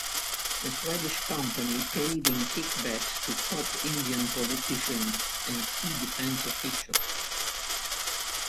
The Swedish company paid in kickbacks to top Indian politicians and key defence officials.